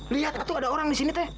liat itu ada orang di sini teh